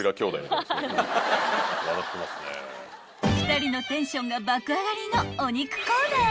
［２人のテンションが爆上がりのお肉コーナー］